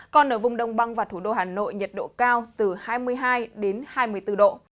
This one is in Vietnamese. còn ở vùng đông băng và thủ đô hà nội nhiệt độ cao từ hai mươi hai đến hai mươi bốn độ